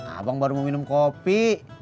abang baru mau minum kopi